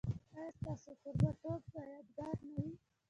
ایا ستاسو کوربه توب به یادګار نه وي؟